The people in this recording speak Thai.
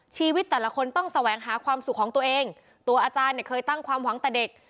ชีวิตแต่ละคนต้องแสวงหาความสุขของตัวเองตัวอาจารย์เนี่ยเคยตั้งความหวังแต่เด็ก